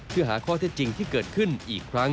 เพื่อหาข้อเท็จจริงที่เกิดขึ้นอีกครั้ง